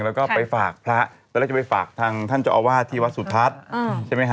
แล้วก็ไปฝากพระแล้วจะไปฝากทางท่านเจ้าอาวาที่วัดสุทัศน์